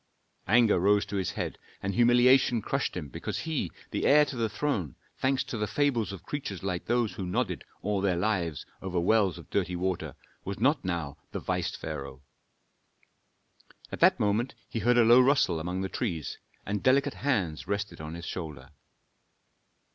Anger rose to his head, and humiliation crushed him because he, the heir to the throne, thanks to the fables of creatures like those who nodded all their lives over wells of dirty water, was not now the vice pharaoh. At that moment he heard a low rustle among the trees, and delicate hands rested on his shoulder.